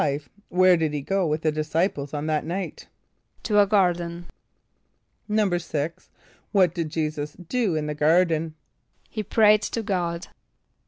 = Where did he go with the disciples on that night? =To a garden.= =6.= What did J[=e]´[s+]us do in the garden? =He prayed to God.